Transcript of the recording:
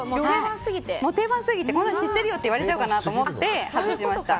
定番すぎてこんなん知ってるよって言われると思って外しました。